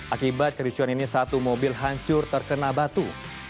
akibat kericuan ini satu mobil hancur terkena batu